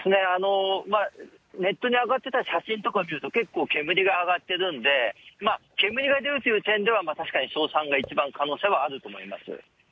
ネットに上がってた写真とか見ると結構煙が上がってるんで、煙が出るという点では、確かに硝酸が一番可能性があると思います。